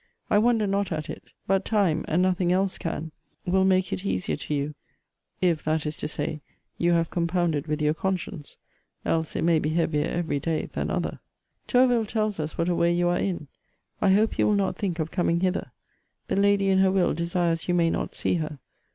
I wonder not at it; but time (and nothing else can) will make it easier to you: if (that is to say) you have compounded with your conscience; else it may be heavier every day than other. Tourville tells us what a way you are in. I hope you will not think of coming hither. The lady in her will desires you may not see her.